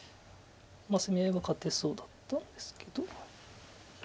攻め合いは勝てそうだったんですけど。